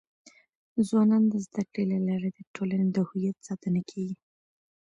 ځوانان د زده کړي له لارې د ټولنې د هویت ساتنه کيږي.